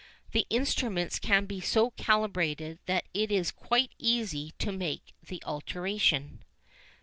The instruments can be so calibrated that it is quite easy to make the alteration.